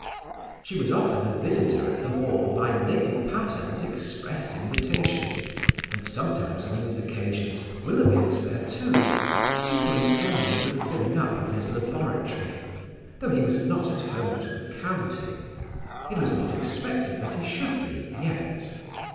She was often a visitor at the Hall by Lady Patterne's express invitation, and sometimes on these occasions Willoughby was there too, superintending the filling up of his laboratory, though he was not at home to the county; it was not expected that he should be yet.